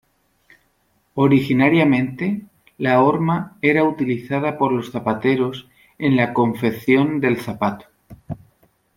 Originariamente, la horma era utilizada por los zapateros en la confección del zapato.